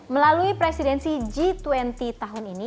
melalui presidensi g dua puluh tahun ini